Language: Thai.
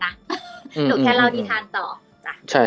หนูแค่เล่าดีทานต่อ